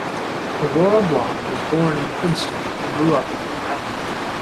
Aurora Block was born in Princeton and grew up in Manhattan.